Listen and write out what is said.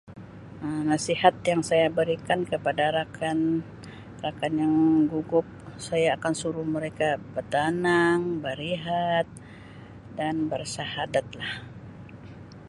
Um nasihat yang saya berikan kepada rakan rakan yang gugup saya akan suruh mereka bertanang berehat dan bersyahadat lah